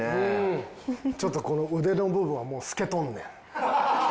ちょっとこの腕の部分はもう透けとんねん。